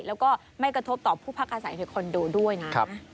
แล้วก็ไม่กระทบต่อผู้พักอาศัยในคอนโดด้วยนะ